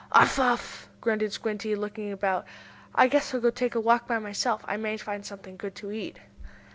"Uff! Uff!" grunted Squinty, looking about, "I guess I'll go take a walk by myself. I may find something good to eat."